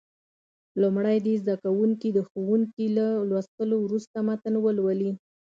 لومړی دې زده کوونکي د ښوونکي له لوستلو وروسته متن ولولي.